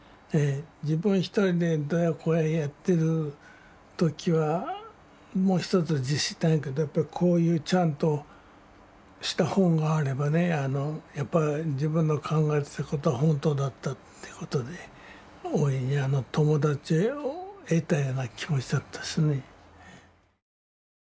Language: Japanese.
自分一人でどうやこうややってる時はもうひとつ自信ないけどやっぱりこういうちゃんとした本があればねやっぱり自分の考えてたことは本当だったってことで大いに友達を得たような気持ちだったですね。